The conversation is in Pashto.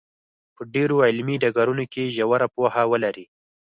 په ډېرو علمي ډګرونو کې ژوره پوهه ولري.